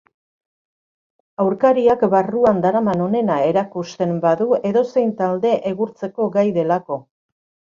Aurkariak barruan daraman onena erakusten badu edozein talde egurtzeko gai delako.